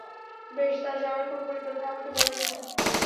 বেশ, তার যাওয়ার কোন পরিকল্পনা আমাকে বলেনি ফোন?